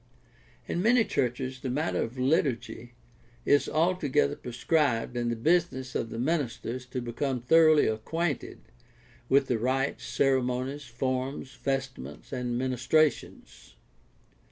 — In many churches the matter of liturgy is altogether prescribed and the business of the minister is to become thoroughly acquainted with the rites, ceremonies, forms, vestments, and ministrations.